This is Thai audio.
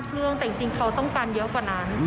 เรื่องแต่จริงเขาต้องการเยอะกว่านั้น